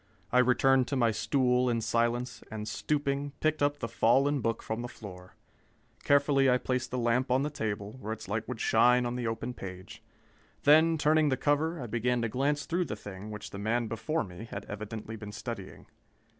I returned to my stool in silence, and stooping, picked up the fallen book from the floor. Carefully I placed the lamp on the table, where its light would shine on the open page. Then, turning the cover, I began to glance through the thing which the man before me had evidently been studying.